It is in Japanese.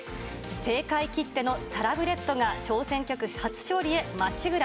政界きってのサラブレッドが、小選挙区初勝利へまっしぐら。